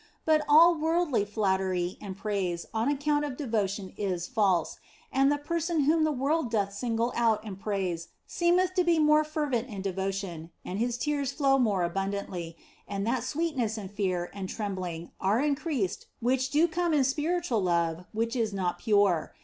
But all worldly flattery and praise on account of devotion is false, and the person whom the world doth single out and praise seemeth to be more fervent in devotion, and his tears flow more abundantly, and that sweetness and fear and trembling are increased which do 32 THE BLESSED ANGELA come in spiritual love which is not pure.